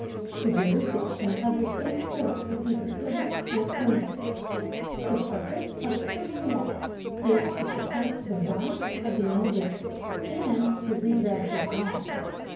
The jurisdiction of the state courts is either civil or criminal. The purpose of civil law is to protect the rights of the individual and to redress his wrongs.